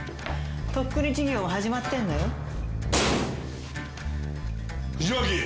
とっくに授業は始まってんのよ。